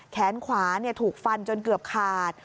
แขนขวาถูกฟันจนเกือบขาด